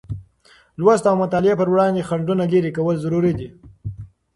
لوست او مطالعې پر وړاندې خنډونه لېرې کول ضروري دی.